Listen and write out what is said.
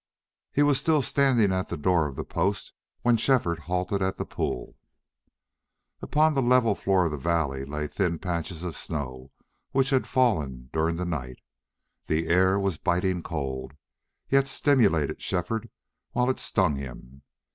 He was still standing at the door of the post when Shefford halted at the pool. Upon the level floor of the valley lay thin patches of snow which had fallen during the night. The air was biting cold, yet stimulated Shefford while it stung him.